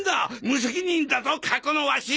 無責任だぞ過去のワシ！